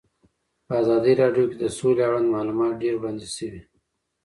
په ازادي راډیو کې د سوله اړوند معلومات ډېر وړاندې شوي.